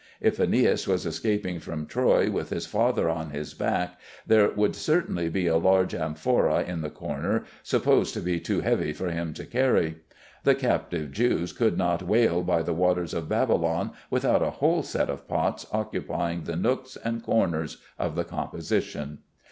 If Æneas was escaping from Troy with his father on his back, there would certainly be a large amphora in the corner, supposed to be too heavy for him to carry. The captive Jews could not wail by the waters of Babylon without a whole set of pots occupying the nooks and corners of the composition.